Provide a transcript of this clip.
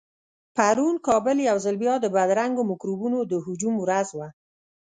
پرون کابل يو ځل بيا د بدرنګو مکروبونو د هجوم ورځ وه.